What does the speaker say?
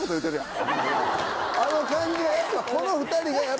あの感じがやっぱ。